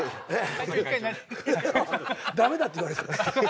「駄目だ」って言われた。